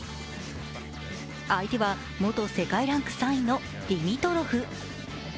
相手は元世界ランク３位のディミトロフ。